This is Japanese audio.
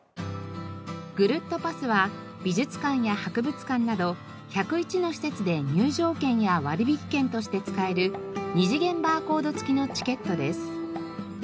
ぐるっとパスは美術館や博物館など１０１の施設で入場券や割引券として使える二次元バーコード付きのチケットです。